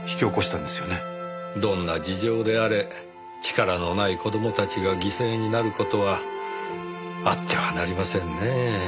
どんな事情であれ力のない子供たちが犠牲になる事はあってはなりませんねぇ。